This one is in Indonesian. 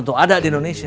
nanti masukin kopernya